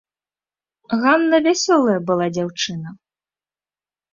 Ганна вясёлая была дзяўчына.